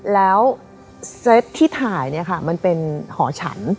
แล้วเซตที่ถ่ายเนี่ยค่ะมันเป็นหอฉัน